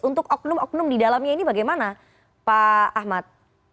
untuk oknum oknum di dalamnya ini bagaimana pak ahmad